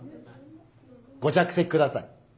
ご着席ください。